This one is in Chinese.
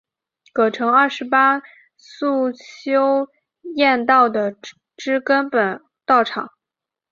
葛城二十八宿修验道之根本道场。